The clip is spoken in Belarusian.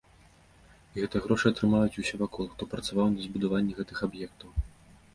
І гэтыя грошы атрымаюць усе вакол, хто працаваў на збудаванне гэтых аб'ектаў.